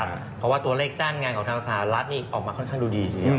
เพราะว่าตัวเลขจ้างงานของธนศาลัทธ์ออกมาค่อนข้างดูดีจริง